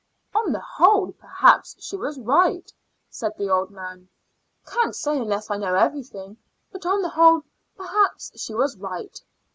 "On the whole, perhaps, she was right," said the old man. "Can't say unless I know everything; but on the whole, perhaps, she was right."